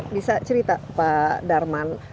bisa cerita pak darman